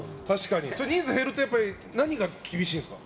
人数が減ると何が厳しいんですか？